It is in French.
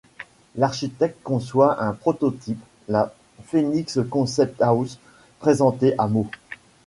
L'architecte conçoit un prototype, la Phénix Concept House, présenté à Meaux.